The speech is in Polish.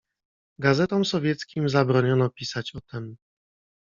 "Gazetom sowieckim zabroniono pisać o tem."